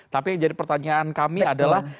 tapi yang jadi pertanyaan kami adalah